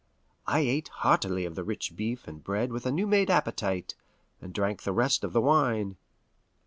I ate heartily of the rich beef and bread with a new made appetite, and drank the rest of the wine.